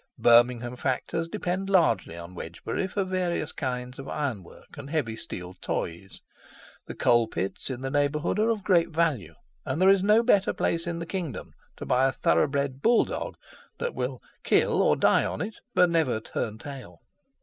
Birmingham factors depend largely on Wedgebury for various kinds of ironwork and "heavy steel toys." The coal pits in the neighbourhood are of great value, and there is no better place in the kingdom to buy a thoroughbred bull dog that will "kill or die on it," but never turn tail.